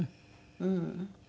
うん。